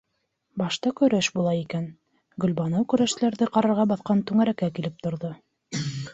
Башта көрәш була икән - Гөлбаныу көрәшселәрҙе ҡарарға баҫҡан түңәрәккә килеп торҙо.